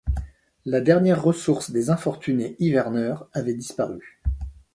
La dernière ressource des infortunés hiverneurs avait disparu!